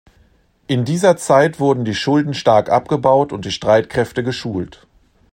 In dieser Zeit wurden die Schulden stark abgebaut und die Streitkräfte geschult.